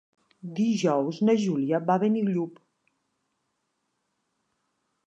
Dijous na Júlia va a Benillup.